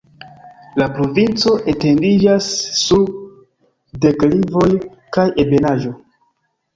La provinco etendiĝas sur deklivoj kaj ebenaĵo.